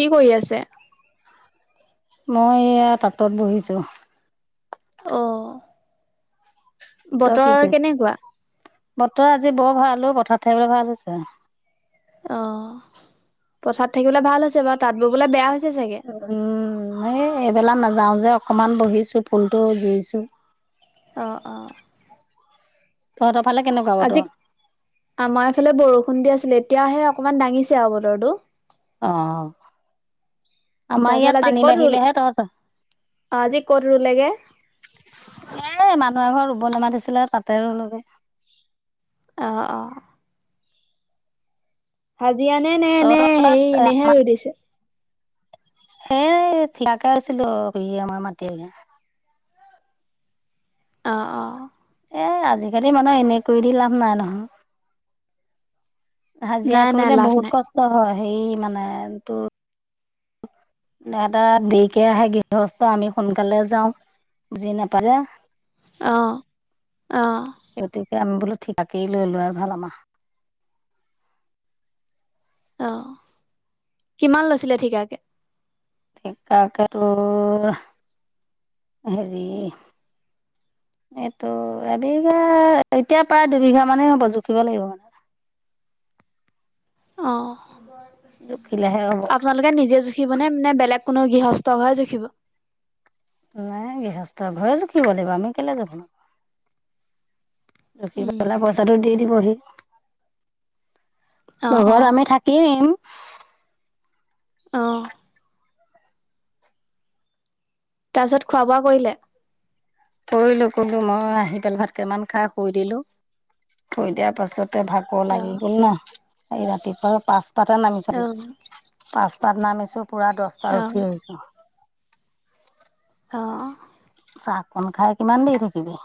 কি কৰি আছে? মই এয়া টাতত বহিছোঁ। অঁ। তই কি কেনেকুৱা? কৰিছ? বতৰ আজি বৰ ভাল পথাৰত থাকিবলৈ ভাল হৈছে। অ, পথাৰত থাকিবলে ভাল হৈছে বাৰু তাঁত ববলে বেয়া হৈছে চাগে? উম, এই এইবেলা নাযাওঁ যে অকণমান বহিছোঁ ফুলটো জুইছোঁ। অ অ। তহঁতৰ ফালে কেনেকুৱা আজি বতৰ আমাৰ এইফালে বৰষুণ দি আছিলে এতিয়াহে অকনমান দাঙিছে আৰু বতৰটো অ আমাৰ তাৰপিছত ইয়াত পানী বাঢ়িলেহে তহঁত অ আজি ক'ত ৰুলেগে এ মানুহ এ ঘৰ ৰুব নামাতিছিলে তাতে ৰলগে অঁ অঁ হাজিৰা নে নে এ নে তহঁতৰ হেৰি এনেহে ৰৈ দিছে সেই ঠিলাকে আছিলো শুৰিে মই মায় এগে অঁ অঁ এ আজিকালি মানুহে এনে কৰি দি লাভ নাই নহয় হাজিৰা নাই নাই কৰিলে লাভ বহুত নাই কষ্ট হয় সেই মানে তোৰ এটা দেকে আহে গৃহস্থ আমি সোনকালে যাওঁ বুজি নাপাজা অঁ অঁ গতিকে আমি বোলো ঠিকা কে লৈ লোৱাই ভাল আমা অ কিমান লৈছিলে ঠিকাকে থিকাকে তো হেৰি এইটো এবিঘা এতিয়া প্ৰায় দুবিঘা মানে হব জুখিব লাগিব মানে অঁ জুখিলেহে হ'ব আপোলোকে নিজে জুখিব নে বেলেগ কোনো গৃহস্থ হয় জুখিব নাই গৃহস্থ ঘৰে জুখিব লাগিব আমি কেলে জুখিম জুখি উম পেলাই পইচাটো দি দিবহি অ অ লগত আমি থাক এ এম অঁ তাৰপিছত খোৱা বোৱা কৰিলে কৰিলো কলো মই আহি পেলাই ভাতকেতামান খাই শুই দিলো শুই দিয়া পাছতে ভাত ক' লাগিল অ', গল ন এই ৰাতিপুৱা পাঁচ তাতে নামিচুহি অ', পাঁচটাত নামিছোঁ পূৰা দহটাত উঠি আহিছোঁ অ চাহকণ খাই কিমান দেৰি থাকিবি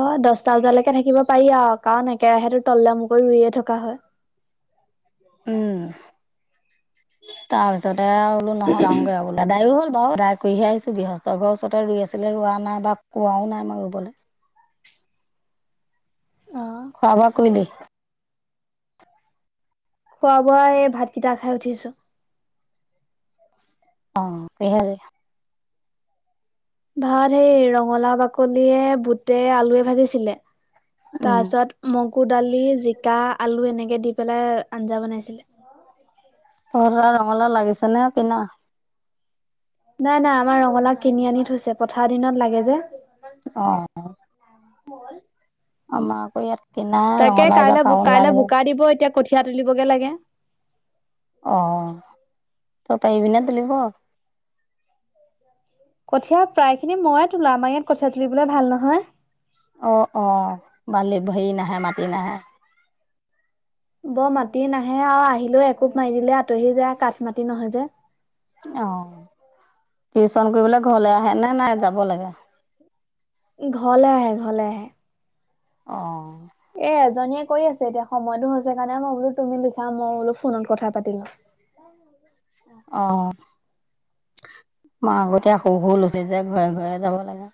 হয় দছটা বজালৈকে থাকিব পাৰি আৰু কাৰণ একেৰাহেো তললেমুকৈ ৰুইয়ে থকা হয় উম তাৰপিছতে বোলো নহয় যাওঁগৈ বোলো এডাইও হ'ল বাৰ দাই কহে আহিছো বৃহস্তৰ ওচৰতে ৰুই আছিলে ৰোৱা নাই বা কোৱাাও নাই আমাৰ ৰুবলৈ অ খোৱা বোৱা কৰিলে খোৱা বোৱা এই ভাতকেইটা খাই উঠিছো অঁ স হে ভাত সেই ৰঙালাও বাকলিয়ে বুট আলুৱে ভাজিছিলে তাৰ উম পিছত মগু দালি জিকা আলু এনেকে দি পেলাই আঞ্জা বনাইছিলে উ্চ তহট ৰঙালাও লাগিছে নে কিনা নাই নাই আমাৰ ৰঙালাও কিনি আনি থৈছে পথাৰ দিনত লাগে যে অ আমাৰ আকৌ ইয়াত কিনা তাকে ৰঙালাও এইবাৰ কাইলৈ কাও কাইলৈ লাগিলে বোকা দিব এতিয়া কঠিয়া তুলিবগে লাগে। অ তই পৰিবি নে তোলিব? কঠিয়া প্ৰায় খিনি ময়ে তোলো আমাৰ ইয়াত কঠিয়া তুলিবলৈ ভাল নহয়। অ অ বালি হেৰি নাহে মাটি নাহে। বৰ মাটি নাহে আৰু আহিলেও একোব মাৰি দিলে আঁতৰি যায় কাঠ মাতি নহয় যে। অ টিউচন কৰিবলৈ ঘৰলে আহে নে নাই যাব লাগে? ঘৰলৈ আহে, ঘৰলৈ আহে। অ। এ এজনীয়ে কৈ আছে এতিয়া সময়তো হৈছে কাৰণে মই বোলো তুমি লিখা মই বোলো ফোনত কথা পাতিলো। অ মই আগতয়া সৰু সৰু লৈছো যে ঘৰে ঘৰে যাব লাগে।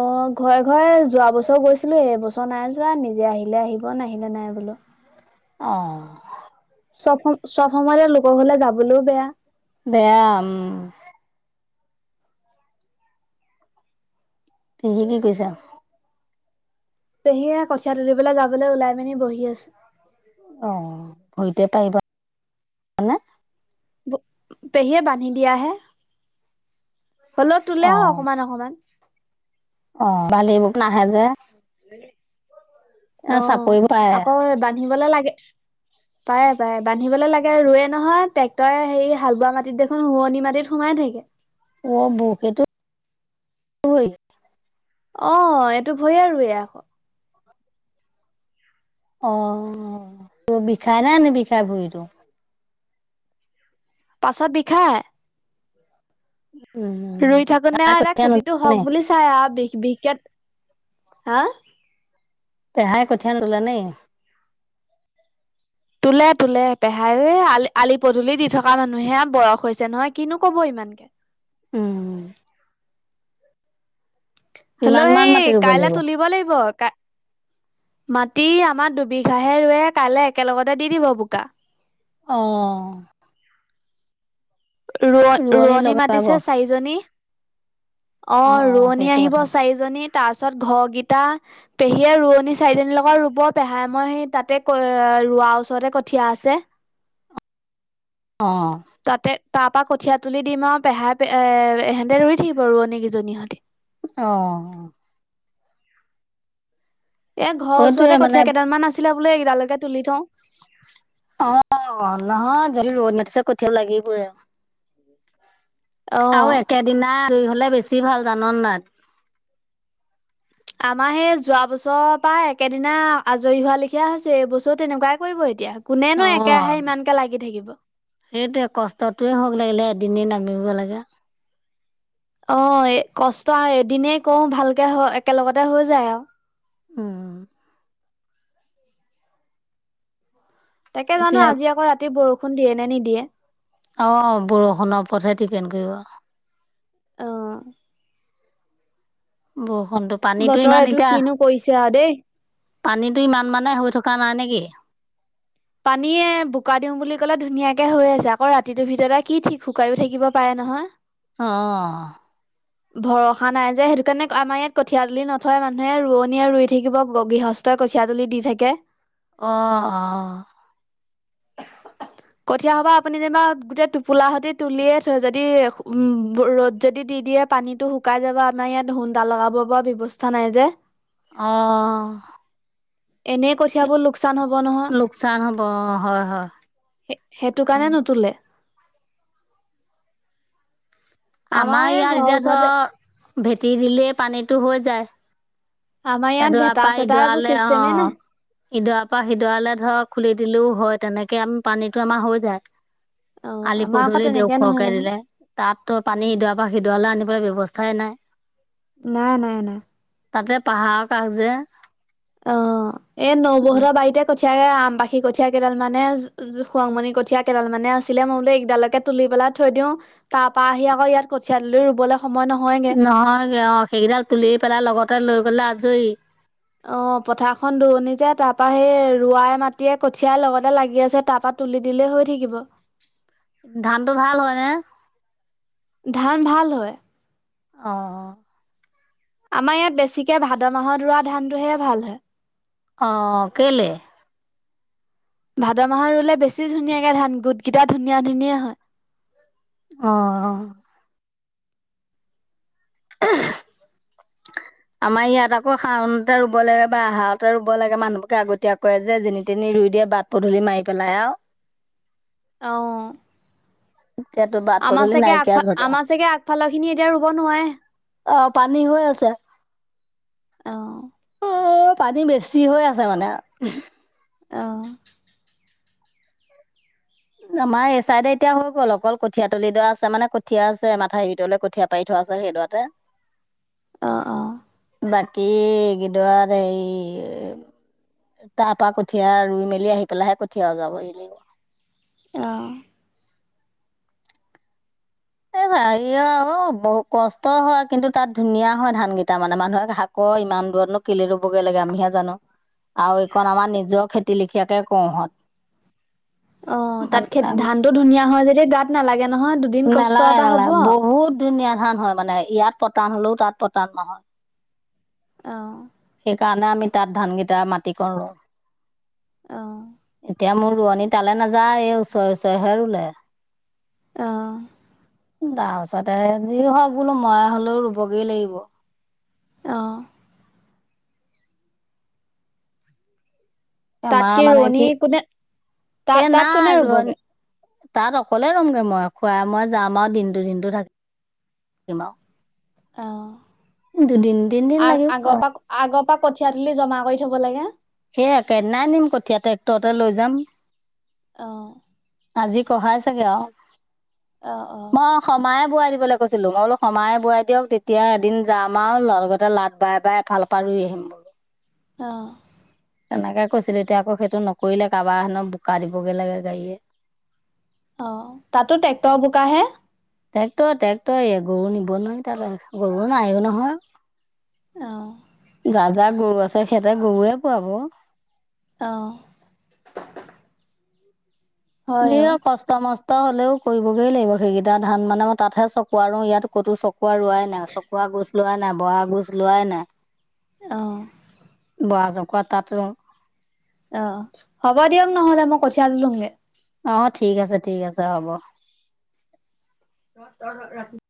অ ঘৰে ঘৰে যোৱা বছৰ গৈছিলো এইবছৰ নাই যোৱা নিজে আহিলে আহিব নাহিলে নাই বোলো। অ। চব সম চব সময় লোকক ঘৰলে যাবলৈও বেয়া। বেয়া উম। পেহী কি কৰিছে? পেহীয়ে কঠিয়াত তৰিবেললৈ যাবলৈ ওলাই মিনি বহি আছে। অ ভূৰিতে পাৰিব পেহীয়ে বান্ধি দিয়াহে, হ'লেও তোলে আৰু অকমান অকমান। অ বালি বোক নাহে যে। চাপৰিবোৰ পাৰে আহ আকৌ বান্ধিবলে লাগে পাৰে পাৰে বান্ধিবলৈ লাগে ৰোৱে নহয়, ট্ৰেক্টৰে হেৰি হাল বোৱা মাটিত দেখোন ৰুৱনি মাটিত সোমাই থাকে। অ [unintelligible] সেইটো অ এইটো ভুৱে ৰুৱে আকৌ অ তোৰ বিষাই নে নিবিষাই ভৰিটো? পাছত বিষায়। উম ৰুই থাকো নে পেহাই আউ কঠীয়া খেতিটো নুতুলে হওক নে? বুলি চাই আউ বিষ বিশষকে হা? পেহায় কঠিয়া নিতলে নেকি? তোলে, তোলে, পেহাইও আলি আলি পদূলি দি থকা মানুহে বয়স হৈছে নহয় কিনো কৰিব ইমানকে। উম হলিও কিমানমান সেই মাটি ৰুব কাইলৈ লাগিব তুলিব লাগিব ক মাটি আমাৰ দুবিঘাহে ৰুৱে কাইলৈ একেলগতে দি দিব বোকা। অ ৰোৱনী ৰোৱ-ৰোৱনী লগাব মাতিছে চাৰিজনী অ অঁ অঁ ৰোৱনী সেইটো আহিব কথা চাৰিজনী তাৰপিছত ঘৰগিত পেহীয়ে ৰুৱনি চাৰিজনীৰ লগত ৰুব, পেহাই মই সেই তাতে কৈ ৰোৱা ওচৰতে কঠীয়া আছে অ তাতে তাৰ পৰা কঠীয়া তুলি দিম আৰু পেহাই এ সহেঁতে ধৰি থাকিব ৰোৱনীকেইজনীহঁতে। অ। এ ঘৰৰ সেইটোয়ে ওচৰতে মানে কঠীয়া কেইডালমান আছিলে বোলে এইকেইডালকে তুলি থওঁ। অ নহয় যদি ৰোৱনী মাতিছে কঠিয়ও লাগিবই আৰু। [inaudible] আৰু একেদনাই আজৰি হ'লে বেছি ভাল জাননে নাই? আমাৰ সেই যোৱা বছৰৰ পৰা একেদিনা আজৰি হোৱা লেখিয় হৈছে, এইবছৰো তেনেকুৱাই কৰিব এতিয়া অ কোনেনো একেৰাহে ইমানকে লাগি থাকিব। সেইটোৱে কষ্টটোৱে হওক লাগিলে এদনেই নামিব লাগে। অ কষ্ট আৰু এদিনেই কওঁ ভালকে একেলগতে হৈ যায় আও। উম। তাকে জানো এতিয়া আজি আকৌ ৰাতি বৰষুণ দিয়ে নে নিদিয়ে। অঁ বৰষুণৰ ওপৰতহে ডিপেণ্ড কৰিব। অ। বৰষুণটো। পানীটো বতৰ ইমান এইটো এতিয়া কিনো কৰিছে আৰু দেই। পানীটো ইমান মানে হৈ থকা নাই নেকি। পানীয়ে বোকা দিওঁ বুলি কলে ধুনীয়াকে হৈ আছে আকৌ ৰাতিটোৰ ভিতৰতে কি ঠিক শুকাইো থাকিব পাৰে নহয়। অ। ভৰসা নাই যে সেইটো কাৰণে আমাৰ ইয়াত কঠীয়া দুলিি নথয় মানুহে ৰোৱনীয়ে ৰুই থাকিব গ‌ গীহচ। তই কঠিয়া তুলি দি থাকে। অ অ। [unintelligible] কঠীয়া হ'বা আপুনি যেনিবা গোটেই টোপোলাহঁতে তুলিয়ে থই যদি ৰ'দ যদি দি দিয়ে। পানীতটো শুকাই যাবা আমাৰ ইয়াত সুনডা লগাব পৰা ব্যয়ৱস্থা নাই যে। অ। এনে কঠিয়াবোৰ লোকচান হব নহ। লোকচান হ'ব অ হয় হয়। এ সেইটো কাৰণে নুতলে। আমাৰ এই ইয়াত ঘৰৰ এতিয়া ওচৰতে ধৰ ভেটি দিলেই পানীতটো হৈ যায়। আমাৰ ইয়াত এডুৱা ভেটা পা চেটা এইবোৰ ইডুৱালে অ। চিষ্টেমেই নাই ইদুৱা পা সিদুৱালে ধৰ খুলি দিলেও হয় তেনেকে আমি পানীটো আমাৰ হৈ যায়। অ' আলি আমাৰ আকৌ পধূলি দিওঁ তেনেকে নহয় ওখকে নহয়। দিলে তাতো পানী অ', ইদুৱা। বা সিদুৱালে আনিবলৈ ব্যৱস্থাই নাই। নাই নাই নাই। তাতে পাহাৰৰ কাষ যে। অ এ নবহতৰ বাৰিতে। কঠিয় আমবাহী কঠীয়া কেইডাল মানে খুৱংমণি কঠীয়া কেইডাল মানে আছিলে মই বো একিডালকে। তুলি পেলাই থৈ দিওওঁ তাৰ পৰাা আহি আকৌ ইয়াত কঠিয় তুলি ৰুবলৈ সময় নহয়গে। নহয়গে অ সেইকেইডাল তুলি পেলাই লগতে লৈ গ'লে আজৰি। অ পথাৰখন দুৱনি যে তাৰ পৰাা সেই ৱাই মাটিয়ে কঠিয়াৰ লগতে লাগি আছে তাপা। তুলি দিলে হৈ থাকিব। ধান টো ভাল হয় নে। ধান ভাল হয়। অঁ', অ'। আমাৰ ইয়াত বেছিকে ভাদ মাহত ৰৱ ধান টোহে ভাল হয়। অঁ', কেলে। ভাদ মাহৰ ৰুলে বেছি ধুনীয়াকে ধান গোটকেইটা ধুনীয়া ধুনীয়া হয়। অ', অ'। [unintelligible] আমাৰ ইয়াত আকৌ শাওণতে ৰুব লাগে বা আহাৰতে ৰুব লাগে মানুহবোৰে আগতীয়াকৈ যেনি তেনি ৰুই দিয়ে বাট। পদূলি মাৰি পেলাই আও। অঁ। এতিয়াতো বাট আমাৰ পদূলি চগে, নাইকিয়া আগফাল যতে আমাৰ চগে আগফালৰ খিনি এতিয়া ৰুব নোৱাৰে। অ', পানী হৈ আছে। অ'। মোৰ, পানী বেছি হৈ আছে মানে। অ'। আমাৰ এই চাইদে এতিয়া হৈ গ'ল অকল কঠিয়া তলি ডৰা আছে, মানে কঠীয়া আছে মাথাওৰিটোলৈ কঠীয়া পাৰি থোৱা আছে সেইদৰাতে। আহ আহ। বাকী, এইকেইদৰাত এই তাৰ পৰা কঠীয়া ৰুই মেলি আহি পেলাইহে কঠীয়া অজৰাব লাগিব। অঁ'। বহু, কষ্ট হয়, কিন্তু তাত ধুনীয়া হয় ধান কেইটা মানে মানুহক কই, ইমান দূৰতনো কেলে ৰুবগৈ লাগে, আমিহে জানো। আৰু এইকণ আমাৰ নিজৰ খেতি লেখিয়াকে কৰোঁ হঁত। অ', তাত খে, ধানটো ধুনীয়া হয় যেতিয়া গাত নালাগে নহয় দুদিন কষ্ট নালাগে, এটা হ'ব নালাগে, অ বহুত ধুনীয়া ধান হয় মানে, ইয়াত পতান হ'লেও তাত পতান নহয়। অঁ'। সেইকাৰণে আমি তাত ধানকেইটা মাটিকণ ৰুও। এতিয়া মোৰ ৰোৱনী তালৈ নাযায়, এই ওচৰে ওচৰেহে ৰুলে। অঁ'। উম, তাৰ পাছতে যি হওঁক বোলো, মই হ'লেও ৰুবগৈ লাগিব। অঁ'। তাত আমাৰ মানে ৰোৱনী কি, কোনে তাত এ, তাত কোনে নাই ৰুবগে ৰোৱনী তাত অকলে ৰমগে মই, খুৰাই মই যাম আৰু দিনটো, দিনটো থাকিম অ দুদিন, তিনিদিন আ লাগিব। আগৰ পৰা আগৰ পৰা কঠিয়া তুলি জমা কৰি থ'ব লাগে। সেই একে দিনাই নিম, কঠীয়া ট্ৰেক্টৰতে লৈ যাম। অ'। আজি খহাইছেগে আৰু। অ', অ'। সমায়ে বোৱাই দিবলৈ কৈছিলোঁ, মই বোলো সমায়ে বোৱাই দিয়ক, তেতিয়া এদিন যাম আৰু লগ লগতে লাত বাই, বাই এফাল [unintelligible] ৰুই আহিম। অ'। তেনেকে কৈছিলো, এতিয়া আকৌ সেইটো নকৰিলে কাৰোবাৰ হেনো বোকা দিবগে লাগে গাড়ীয়ে। অ', তাতো ট্ৰেক্টৰ বোকা হে? ট্ৰেক্টৰ, ট্ৰেক্টৰয়েই গৰু নিব নোৱাৰি তালৈ, গৰু নাইয়োগে নহয়। অঁ'। যাৰ, যাৰ গৰু আছে, সিহঁতে গৰুৱে পোৱাব। অঁ'। [unintelligible] হয় অ', কষ্ট কষ্ট, মষ্ট হ'লেও কৰিবগৈ লাগিব, সেইকেইটা ধান মানে মই, তাতহে চকোৱা ৰু, ইয়াত ক'তো চকোৱা ৰোৱাই নাই, চকোৱা গুছ লোৱাই নাই, বৰা গোছ লোৱাই নাই। অঁ'। বৰা চুকোৱা তাঁত ৰুও। অ', হ'ব দিয়ক নহ'লে, মই কঠিয়া তোলোংগে। অ', ঠিক আছে, ঠিক আছে হ'ব। [unintelligible]